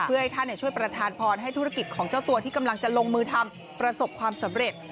เพื่อให้ท่านช่วยประธานพรให้ธุรกิจของเจ้าตัวที่กำลังจะลงมือทำประสบความสำเร็จ